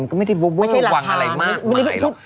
มันก็ไม่ได้เวอร์วังอะไรมากมายหรอก